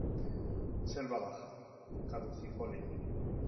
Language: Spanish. Selva baja caducifolia.